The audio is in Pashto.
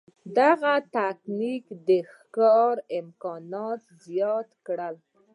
دغه تکتیک د ښکار امکانات زیات کړل.